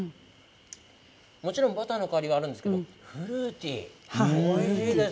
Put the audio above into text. もちろんバターの香りがありますがフルーティーおいしいです。